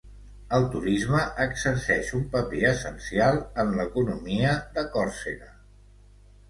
El turisme exerceix un paper essencial en l'economia de Còrsega.